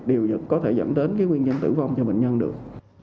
điều có thể dẫn đến cái nguyên nhân tử vong cho bệnh nhân được